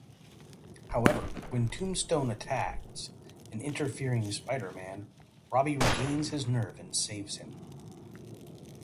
However, when Tombstone attacks an interfering Spider-Man, Robbie regains his nerve and saves him.